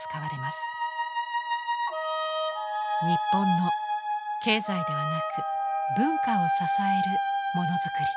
日本の経済ではなく文化を支えるものづくり。